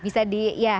bisa di ya